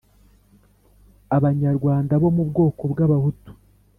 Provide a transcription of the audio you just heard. abanyarwanda bo mu bwoko bw'abahutu.